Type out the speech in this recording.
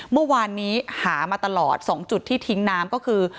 เมื่อวานนี้หามาตลอด๒จุดที่ทิ้งน้ำก็คือ